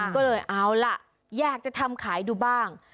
ก็เลยเอาล่ะอยากจะทำขายดูบ้าง